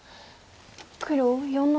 黒４の七。